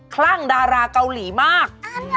คลั่งดาราเกาหลีมาก